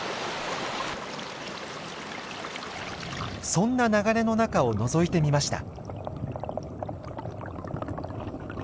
そんな流れの中をのぞいてみました。